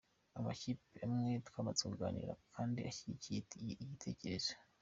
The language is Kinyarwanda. Amakipe amwe twamaze kuganira kandi ashyigikiye igitekerezo.